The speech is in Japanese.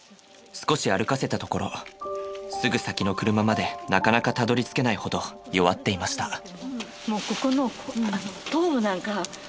少し歩かせたところすぐ先の車までなかなかたどりつけないほど弱っていました。